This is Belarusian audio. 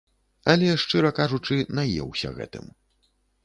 Але, шчыра кажучы, наеўся гэтым.